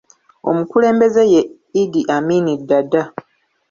Omukulembeze ye Idi Amini Daada.